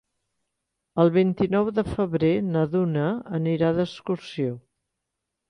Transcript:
El vint-i-nou de febrer na Duna anirà d'excursió.